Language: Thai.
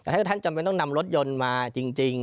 ถ้าท่านจำเป็นต้องนำรถยนต์มาจริง